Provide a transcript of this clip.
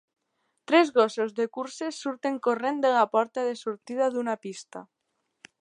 Tres gossos de curses surten corrent de la porta de sortida d'una pista.